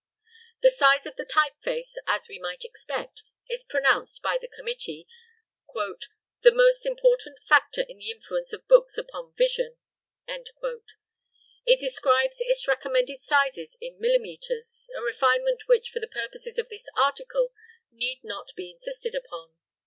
The size of the type face, as we might expect, is pronounced by the committee "the most important factor in the influence of books upon vision"; it describes its recommended sizes in millimetres a refinement which, for the purposes of this article, need not be insisted upon.